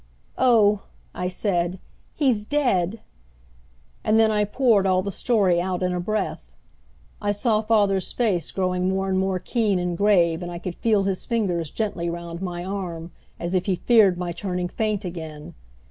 "Oh," I said, "he's dead!" And then I poured all the story out in a breath. I saw father's face growing more and more keen and grave and I could feel his fingers gently around my arm as if he feared my turning faint again.